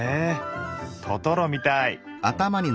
トトロみたい。